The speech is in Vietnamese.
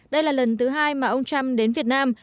đây là lần thứ hai mà ông trump đến việt nam